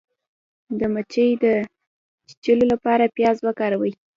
د مچۍ د چیچلو لپاره پیاز وکاروئ